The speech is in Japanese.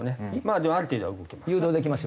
でもある程度は動きます。